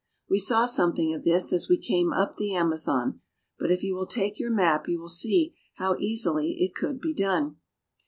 We saw something of this as we came up the Amazon, but if you will take your map you will see how easily it could be done.